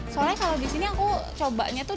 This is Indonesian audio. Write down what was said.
soalnya kalau disini aku cobanya tuh